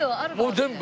全部。